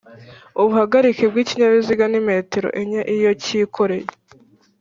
Ubuhagarike bw’ikinyabiziga ni metero enye iyo kikoreye